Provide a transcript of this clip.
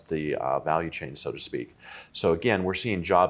jadi sekali lagi kita melihat pekerjaan yang berpengaruh